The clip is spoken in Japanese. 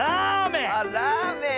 あっラーメン？